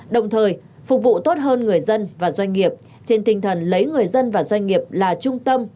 đồng thời phục vụ tốt hơn người dân và doanh nghiệp trên tinh thần lấy người dân và doanh nghiệp là trung tâm